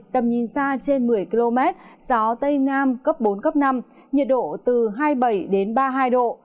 tầm nhìn xa trên một mươi km gió tây nam cấp bốn cấp năm nhiệt độ từ hai mươi bảy đến ba mươi hai độ